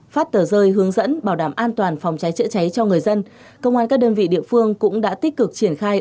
phát tờ rơi hướng dẫn bảo đảm an toàn phòng cháy chữa cháy cho người dân công an các đơn vị địa phương cũng đã tích cực triển khai